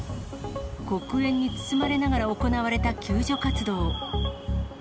黒煙に包まれながら行われた救助活動。